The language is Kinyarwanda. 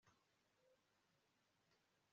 kandi bifite intungamubiri irari ryabo ntiryaba